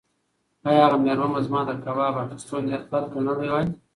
ایا هغه مېرمن به زما د کباب اخیستو نیت بد ګڼلی وای؟